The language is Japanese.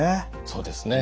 そうですね。